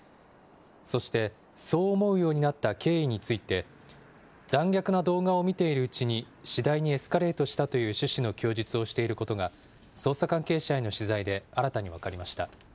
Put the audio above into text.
そして、そう思うようになった経緯について、残虐な動画を見ているうちに、次第にエスカレートしたという趣旨の供述をしていることが、捜査関係者への取材で新たに分かりました。